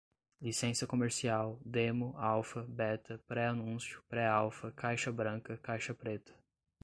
licença comercial, demo, alfa, beta, pré-anúncio, pré-alfa, caixa-branca, caixa-preta